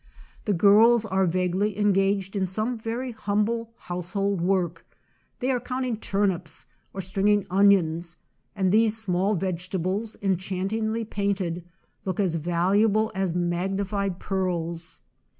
The girls are vaguely engaged in some very humble household work; they are counting turnips or stringing onions, and these small vegetables, enchantingly painted, look as valuable as magnified pearls.